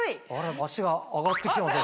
足が上がって来てますね。